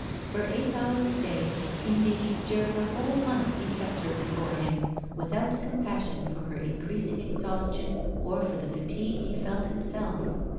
For eight hours a day, indeed, during a whole month he kept her before him, without compassion for her increasing exhaustion or for the fatigue he felt himself.